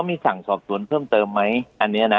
มีสั่งสอบสวนเพิ่มเติมไหมอันนี้นะ